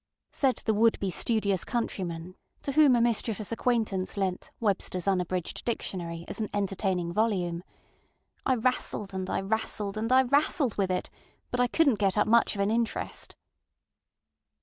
Said the would be studious countryman to whom a mischievous acquaintance lent ŌĆ£WebsterŌĆÖs Unabridged DictionaryŌĆØ as an entertaining volume, ŌĆöŌĆ£I wrastled, and I wrastled, and I wrastled with it, but I couldnŌĆÖt get up much of an intŌĆÖrest.